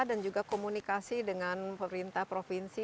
dan juga komunikasi dengan perintah provinsi